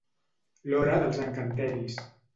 L'hora dels encanteris.